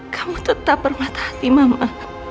kamu tetap bermata hati mama